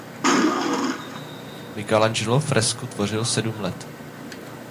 Michelangelo fresku tvořil sedm let.